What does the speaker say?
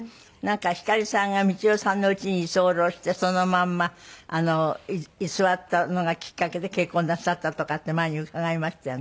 光さんが光代さんの家に居候してそのまんま居座ったのがきっかけで結婚なさったとかって前に伺いましたよね。